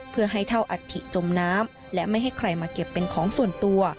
เพื่อให้เท่าอัฐิจมน้ำและไม่ให้ใครมาเก็บเป็นของส่วนตัว